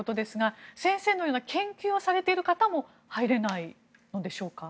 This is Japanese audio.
先生のような研究をされている方も入れないのでしょうか。